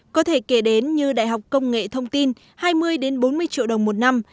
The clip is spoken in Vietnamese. có thể kể đến như đại học công nghệ thông tin hai mươi bốn mươi triệu đồng một năm